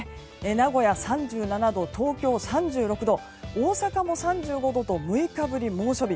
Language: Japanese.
名古屋は３７度、東京３６度大阪も３５度、６日ぶり猛暑日。